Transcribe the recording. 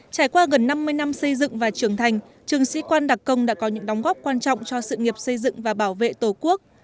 trải qua gần năm mươi năm xây dựng và trưởng thành trường sĩ quan đặc công đã có những đóng góp quan trọng cho sự nghiệp xây dựng và bảo vệ tổ quốc